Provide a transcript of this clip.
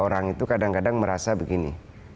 orang itu kadang kadang merasa begini